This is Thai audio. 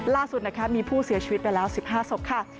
ล่าสุดนะคะมีผู้เสียชีวิตไปแล้ว๑๕ศพค่ะ